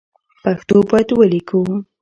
پښتو باید ولیکو